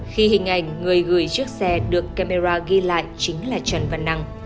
khi hình ảnh người gửi chiếc xe được camera ghi lại chính là trần văn năng